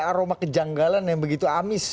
aroma kejanggalan yang begitu amis